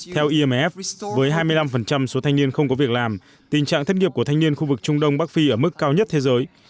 theo imf với hai mươi năm số thanh niên không có việc làm tình trạng thất nghiệp của thanh niên khu vực trung đông bắc phi ở mức cao nhất thế giới